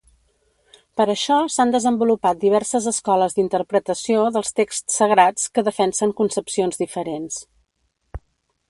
Per això s'han desenvolupat diverses escoles d'interpretació dels texts sagrats que defensen concepcions diferents.